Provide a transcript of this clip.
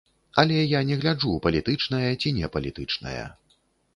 Але я не гляджу, палітычная ці не палітычная.